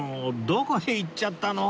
どこへ行っちゃったの？